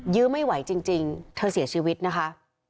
ื้อไม่ไหวจริงเธอเสียชีวิตนะคะ